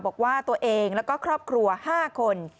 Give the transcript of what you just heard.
บอกว่าตัวเองแล้วก็ครอบครัว๕คน